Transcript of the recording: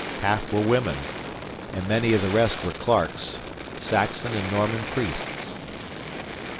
Half were women; and many of the rest were clerks Saxon and Norman priests.